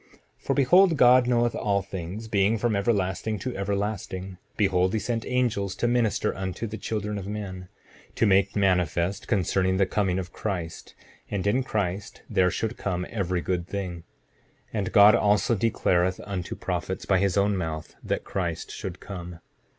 7:22 For behold, God knowing all things, being from everlasting to everlasting, behold, he sent angels to minister unto the children of men, to make manifest concerning the coming of Christ; and in Christ there should come every good thing. 7:23 And God also declared unto prophets, by his own mouth, that Christ should come.